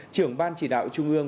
trưởng ban chỉ đạo trung ương